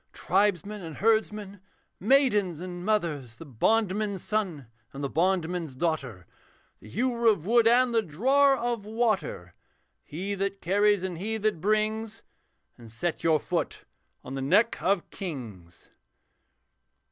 Tribesmen and herdsmen, maidens and mothers; The bondman's son and the bondman's daughter, The hewer of wood and the drawer of water, He that carries and he that brings, And set your foot on the neck of kings.'